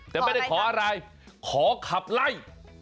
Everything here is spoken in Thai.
แต่ไม่ได้ขออะไรขอขับไล่